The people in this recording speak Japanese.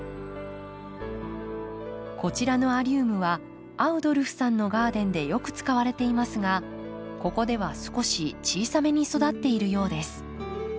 こちらのアリウムはアウドルフさんのガーデンでよく使われていますがここでは少し小さめに育っているようです。